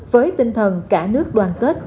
với tinh thần cả nước đoàn kết